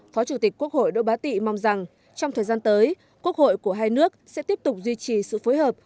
phó chủ tịch quốc hội đỗ bá tị mong rằng trong thời gian tới quốc hội của hai nước sẽ tiếp tục duy trì sự phối hợp